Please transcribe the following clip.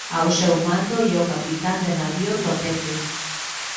Ao seu mando ía o capitán de navío Topete.